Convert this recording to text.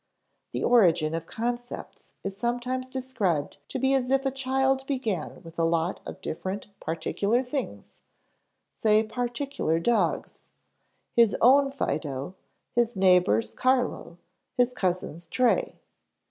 The origin of concepts is sometimes described to be as if a child began with a lot of different particular things, say particular dogs; his own Fido, his neighbor's Carlo, his cousin's Tray.